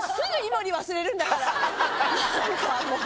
何かもう。